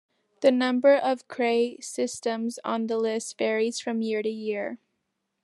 The number of Cray systems on the list varies from year to year.